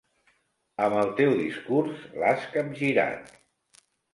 Amb el teu discurs l'has capgirat.